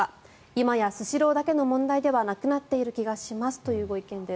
今やスシローだけの問題ではなくなっている気がしますというご意見です。